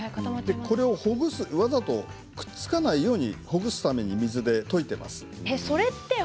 これを、くっつかないようにほぐすためにわざと水でといています。